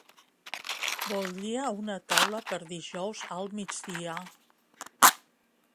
Voldria una taula per dijous al migdia.